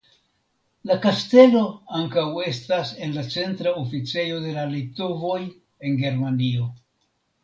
La kastelo ankaŭ estas la centra oficejo de la Litovoj en Germanio.